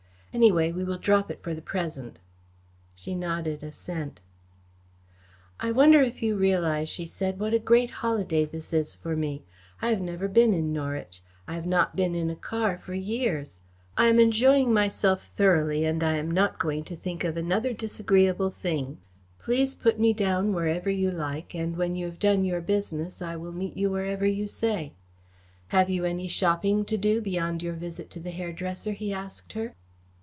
Anyway, we will drop it for the present." She nodded assent. "I wonder if you realise," she said, "what a great holiday this is for me. I have never been in Norwich. I have not been in a car for years. I am enjoying myself thoroughly, and I am not going to think of another disagreeable thing. Please put me down wherever you like and when you have done your business, I will meet you wherever you say." "Have you any shopping to do, beyond your visit to the hairdresser?" he asked her.